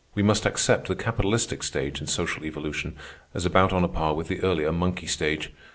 We must accept the capitalistic stage in social evolution as about on a par with the earlier monkey stage.